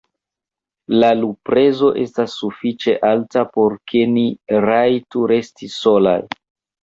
La luprezo estas sufiĉe alta, por ke ni rajtu resti solaj.